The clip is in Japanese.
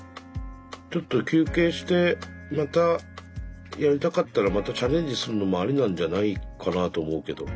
ちょっと休憩してまたやりたかったらまたチャレンジするのもありなんじゃないかなと思うけど。